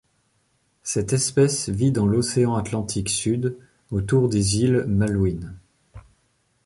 Cette espèce vit dans l'océan Atlantique Sud, autour des îles Malouines.